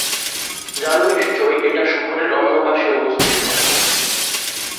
জানো নিশ্চয়ই, এটা শহরের অন্যপাশে অবস্থিত।